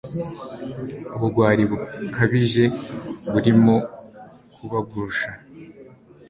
Ubugwari bukabije burimo kubagusha